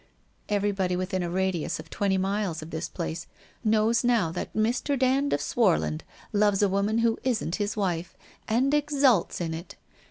Everybody within a radius of twenty miles of this place knows now that Mr. Dand of Swarland loves a woman who isn't his wife, and exults in it.